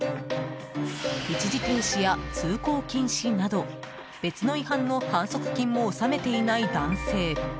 一時停止や通行禁止など別の違反の反則金も納めていない男性。